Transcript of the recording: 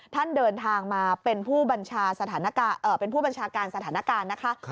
ท่านเดินทางมาเป็นผู้บัญชาการสถานการณ์นะคะ